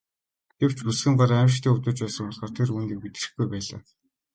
Гэвч бүсгүйн гар аймшигтай өвдөж байсан болохоор тэр үүнийг мэдрэхгүй байлаа.